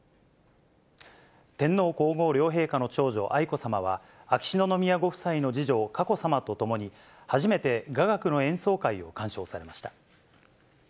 天皇皇后両陛下の長女、愛子さまは、秋篠宮ご夫妻の次女、佳子さまと共に、初めて雅楽の演奏会を鑑賞されました。